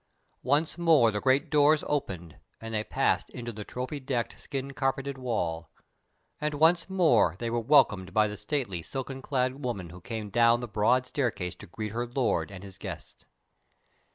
Once more the great doors opened and they passed into the trophy decked, skin carpeted hall: and once more they were welcomed by the stately, silken clad woman who came down the broad staircase to greet her lord and his guests.